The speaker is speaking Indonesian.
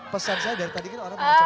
pesan saya dari tadi orang orang macam apa